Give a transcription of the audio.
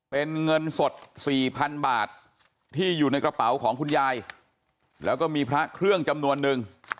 เป็นเงินสด๔๐๐๐บาทที่อยู่ในกระเป๋าของคุณยายแล้วก็มีพระเครื่องจำนวนนึง